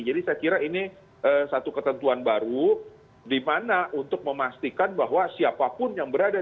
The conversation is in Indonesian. jadi saya kira ini satu ketentuan baru di mana untuk memastikan bahwa siapapun yang berada